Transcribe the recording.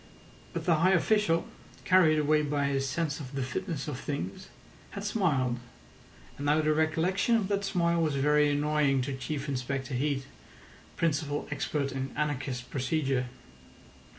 But the high official, carried away by his sense of the fitness of things, had smiled, and now the recollection of that smile was very annoying to Chief Inspector Heat, principal expert in anarchist procedure.